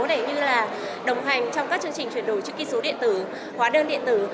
để như là đồng hành trong các chương trình chuyển đổi chữ ký số điện tử hóa đơn điện tử